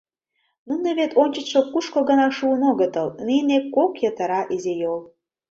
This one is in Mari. Нуно вет ончычшо кушко гына шуын огытыл, нине кок йытыра изи йол!